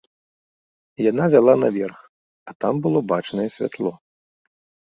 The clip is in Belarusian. Яна вяла наверх, а там было бачнае святло.